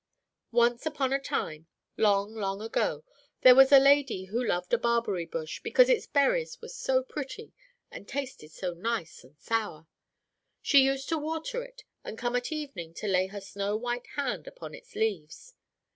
"Once upon a time, long, long ago, there was a lady who loved a barberry bush, because its berries were so pretty, and tasted so nice and sour. She used to water it, and come at evening to lay her snow white hand upon its leaves."